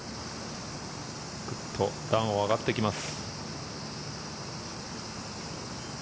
グッと段を上がっていきます。